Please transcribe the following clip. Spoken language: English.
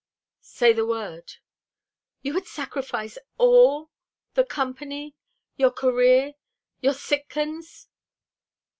"Say the word!" "You would sacrifice all the Company your career your Sitkans?"